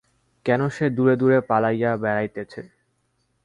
কেন সে দূরে দূরে পালাইয়া বেড়াইতেছে।